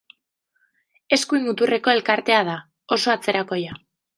Eskuin muturreko elkartea da, oso atzerakoia.